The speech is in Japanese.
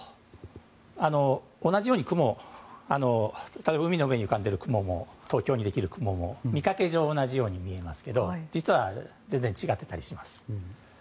例えば海のように浮かんでいる雲も東京にできる雲も見かけ上は同じように見えますが実は全然違っていたりします。